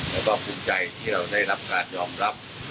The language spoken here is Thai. แล้วก็ภูมิใจที่เราได้รับการยอมรับ